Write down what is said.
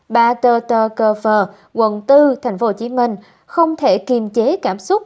bà tơ tơ cơ phờ quận bốn tp hcm không thể kiềm chế cảm xúc